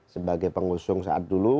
sebagai pengusung saat dulu